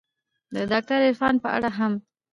د داکتر عرفان په اړه هم